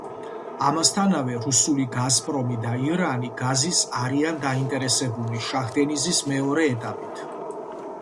ამასთანავე, რუსული „გაზპრომი“ და ირანი გაზის არიან დაინტერესებულნი შაჰდენიზის მეორე ეტაპით.